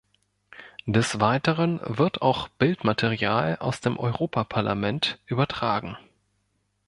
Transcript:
Des Weiteren wird auch Bildmaterial aus dem Europaparlament übertragen.